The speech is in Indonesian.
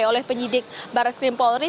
oleh penyidik barat skrim polri